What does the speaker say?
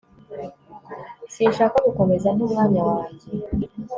Sinshaka gukomeza nta umwanya wanjye